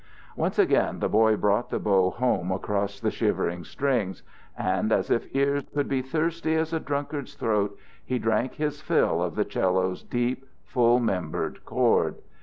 Once again the boy brought the bow home across the shivering strings, and, as if ears could be thirsty as a drunkard's throat, he drank his fill of the 'cello's deep, full membered chord.